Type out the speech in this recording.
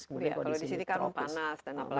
kalau di sini kan panas dan apa lagi